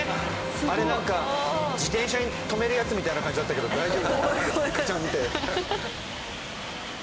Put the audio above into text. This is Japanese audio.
あれなんか自転車止めるやつみたいな感じだったけど大丈夫？